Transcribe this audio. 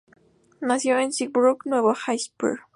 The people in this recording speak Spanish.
Nació en Seabrook, Nuevo Hampshire.